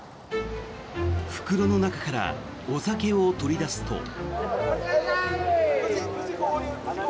袋の中からお酒を取り出すと。